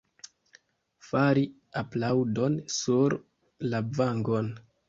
Fari aplaŭdon sur la vangon.